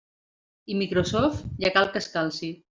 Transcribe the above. I Microsoft ja cal que es calci.